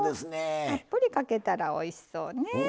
たっぷりかけたらおいしそうね。